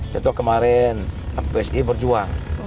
contoh kemarin psi berjuang